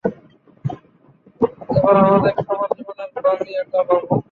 এবার আমাদের সবার জীবনের বাজি এটা, বাবু।